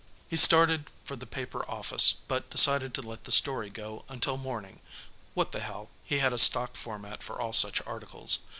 He started for the paper office but decided to let the story go until morning. What the hell, he had a stock format for all such articles.